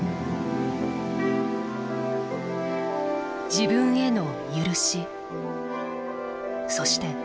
自分への許しそして